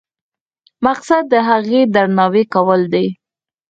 مقصد د هغې درناوی کول دي.